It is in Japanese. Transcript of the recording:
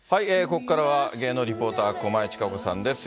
ここからは芸能リポーター、駒井千佳子さんです。